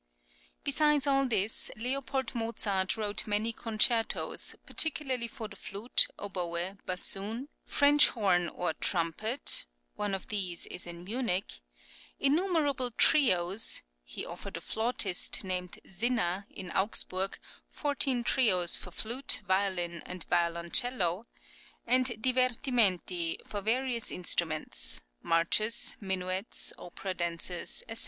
[10011] Besides all this, L. Mozart wrote many concertos, particularly for the flute, oboe, bassoon, French horn, or trumpet (one of these is in Munich), innumerable trios (he offered a flautist, named Zinner, in Augsburg, fourteen trios for flute, violin, and violoncello), and divertimenti for various instruments,[10012] marches, minuets, opera dances, &c.